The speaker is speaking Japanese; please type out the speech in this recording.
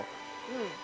うん。